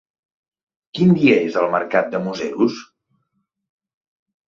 Quin dia és el mercat de Museros?